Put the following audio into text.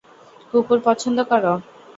কুকুর পছন্দ কর?